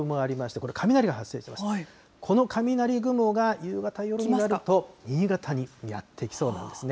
この雷雲が夕方、夜になると新潟にやって来そうなんですね。